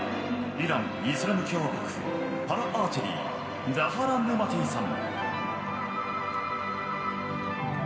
イラン・イスラム共和国パラアーチェリーザフラ・ネマティさん。